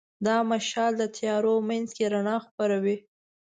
دا مشال د تیارو منځ کې رڼا خپروي.